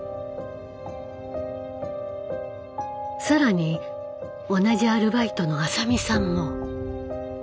更に同じアルバイトの麻美さんも。